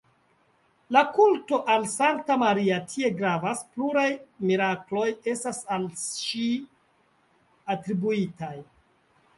La kulto al sankta Maria tie gravas, pluraj mirakloj estas al ŝi atribuitaj.